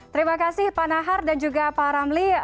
terima kasih pak nahar dan juga pak ramli